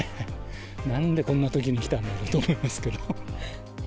なんでこんなときに来たんだろうと思いますけど。